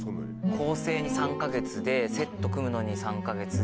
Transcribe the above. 構成に３か月でセット組むのに３か月で。